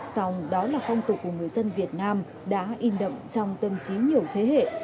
song đó là phong tục của người dân việt nam đã in đậm trong tâm trí nhiều thế hệ